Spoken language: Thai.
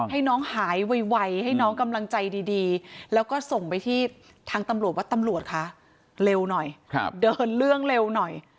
ให้น้องหายไวให้น้องกำลังใจดีแล้วก็ส่งไปที่ทางตำรวจว่าตำรวจคะเร็วหน่อยเดินเรื่องเร็วหน่อย